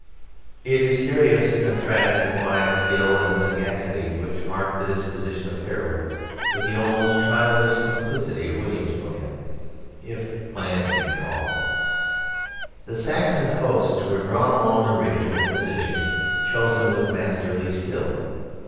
It is curious to contrast the quiet skill and sagacity which marked the disposition of Harold with the almost childish simplicity of William's plan if plan it may be called. The Saxon hosts were drawn along the ridge in a position chosen with masterly skill.